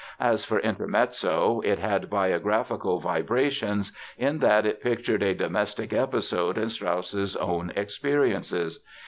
As for Intermezzo it had biographical vibrations in that it pictured a domestic episode in Strauss's own experiences.